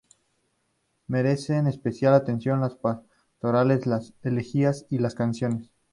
Merecen especial atención las pastorales, las elegías y las canciones.